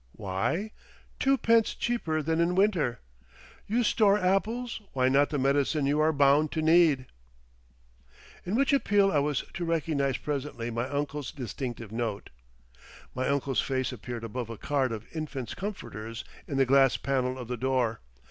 WHY? Twopence Cheaper than in Winter. You Store Apples! why not the Medicine You are Bound to Need? in which appeal I was to recognise presently my uncle's distinctive note. My uncle's face appeared above a card of infant's comforters in the glass pane of the door.